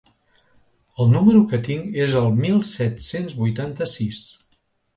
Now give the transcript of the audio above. El numero que tinc és mil set-cents vuitanta-sis.